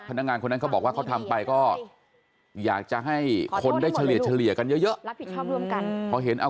พนักงานคนนั้นเขาบอกว่าเขาทำไปก็อยากจะให้คนได้เฉลี่ยกันเยอะ